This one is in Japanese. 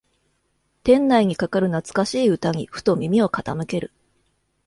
店内にかかる懐かしい歌にふと耳を傾ける